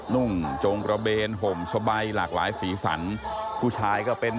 นุ่งจงระเบนห่มสบายหลากหลายสีสันผู้ชายก็เป็น